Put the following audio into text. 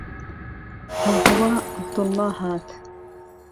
ههوههوە عهبدوڵڵا هات